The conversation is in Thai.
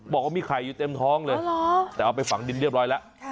บอกว่ามีไข่อยู่เต็มท้องเลยแต่เอาไปฝังดินเรียบร้อยแล้ว